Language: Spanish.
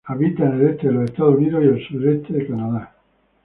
Habita en el este de los Estados Unidos y el sureste de Canadá.